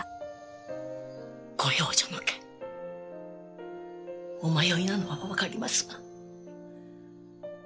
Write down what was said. ご養女の件お迷いなのは分かりますが。